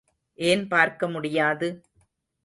ஏன் பார்க்க முடியாது?